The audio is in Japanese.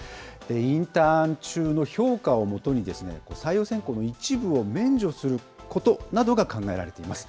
インターン中の評価をもとに、採用選考の一部を免除することなどが考えられています。